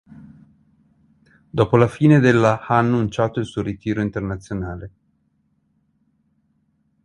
Dopo la fine della ha annunciato il suo ritiro internazionale.